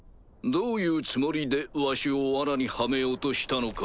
どういうつもりでわしを罠にはめようとしたのかを。